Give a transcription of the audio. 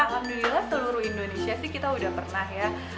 alhamdulillah seluruh indonesia sih kita udah pernah ya